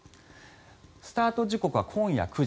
スタート時刻は今夜９時。